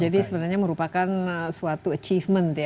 jadi sebenarnya merupakan suatu achievement ya